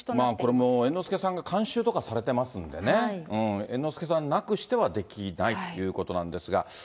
これも猿之助さんが監修とかされてますんでね、猿之助さんなくしてはできないということなんですが。